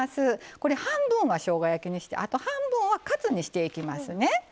これ半分はしょうが焼きにしてあと半分はカツにしていきますね。